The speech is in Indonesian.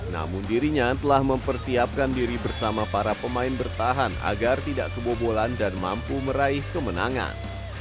namun dirinya telah mempersiapkan diri bersama para pemain bertahan agar tidak kebobolan dan mampu meraih kemenangan